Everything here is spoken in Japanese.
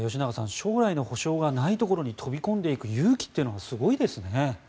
将来の保証がないところに飛び込んでいく勇気というのはすごいですね。